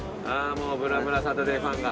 もう『ぶらぶらサタデー』ファンが。